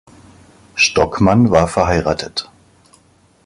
Stockmann war verheiratet.